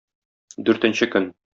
Дүртенче көн.